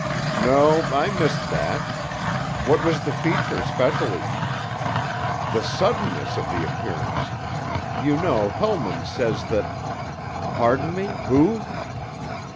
"No, I missed that. What was the feature, specially?" "The suddenness of the appearance. You know, Helmund says that—" "Pardon me, who?"